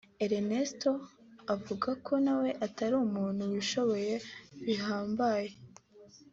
Ernesto avuga ko nawe atari umuntu wishoboye bihambaye